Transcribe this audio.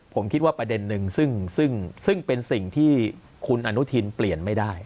ผมคิดว่าประเด็นหนึ่งซึ่งเป็นสิ่งที่คุณอนุทินเปลี่ยนไม่ได้